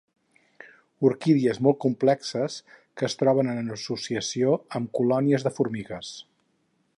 Orquídies molt complexes, que es troben en associació amb colònies de formigues.